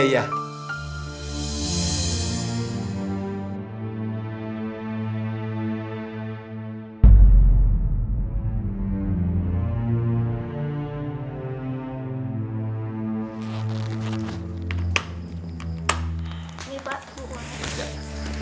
ini bak bu uangnya